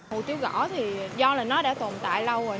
hủ tiếu gõ thì do là nó đã tồn tại lâu rồi